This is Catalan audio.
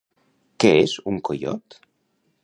Què és un coiot?